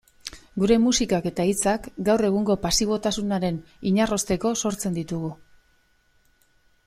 Gure musikak eta hitzak gaur egungo pasibotasunaren inarrosteko sortzen ditugu.